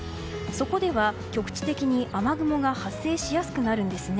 そこでは局地的に雨雲が発生しやすくなるんです。